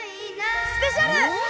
スペシャル！